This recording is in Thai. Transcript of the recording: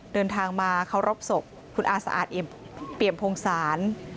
เดินทางมาเข้ารอบศพคุณอาสาอาทเปรียมโพงศาล